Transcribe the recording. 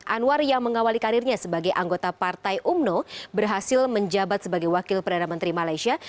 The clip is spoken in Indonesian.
anwar yang mengawali karirnya sebagai anggota partai umno berhasil menjabat sebagai wakil perdana menteri malaysia